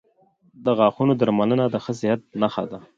• د غاښونو درملنه د ښه صحت نښه ده.